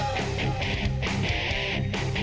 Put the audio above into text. คนนี้มาจากอำเภออูทองจังหวัดสุภัณฑ์บุรีนะครับ